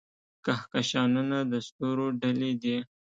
کهکشانونه د ستورو ډلې دي.